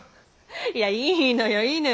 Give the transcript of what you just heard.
いやいいのよいいのよ！